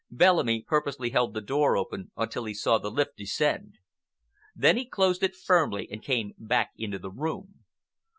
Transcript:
Bellamy purposely held the door open until he saw the lift descend. Then he closed it firmly and came back into the room.